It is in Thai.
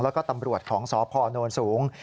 แล้วก็ตำรวจของสพโนนสูง